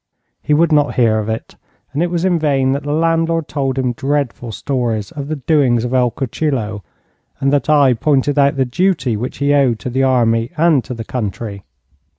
He would not hear of it, and it was in vain that the landlord told him dreadful stories of the doings of El Cuchillo, and that I pointed out the duty which he owed to the army and to the country.